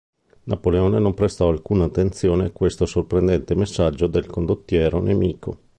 Napoleone non prestò alcun'attenzione a questo sorprendente messaggio del condottiero nemico.